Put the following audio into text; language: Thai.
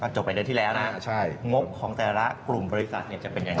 จบไปเดือนที่แล้วนะงบของแต่ละกลุ่มบริษัทจะเป็นยังไง